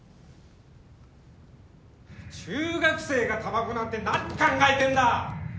中学生がたばこなんて何考えてんだ！